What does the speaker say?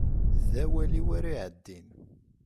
D awal-iw ara iɛeddin